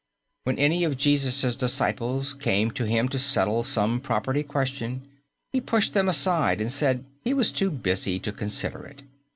When any of Jesus' disciples came to Him to settle some property question, He pushed them aside and said He was too busy to consider it.